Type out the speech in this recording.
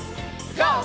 ＧＯ！